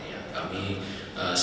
permodalan dan limititas